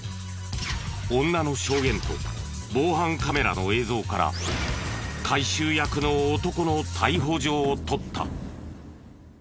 女の証言と防犯カメラの映像から回収役の男の逮捕状を取った。